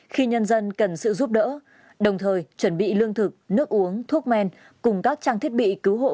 khi nhân dân cần sự giúp đỡ đồng thời chuẩn bị lương thực nước uống thuốc men cùng các trang thiết bị cứu hộ